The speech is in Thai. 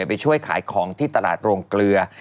ไปช่วยขายของที่ตลาดโรงเกลือ